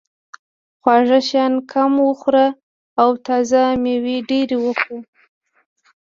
خواږه شیان کم وخوره او تازه مېوې ډېرې وخوره.